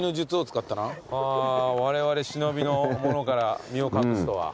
われわれ忍びの者から身を隠すとは。